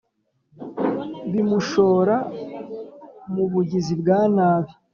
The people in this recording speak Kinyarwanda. bimushora mu bugizi bwa nabi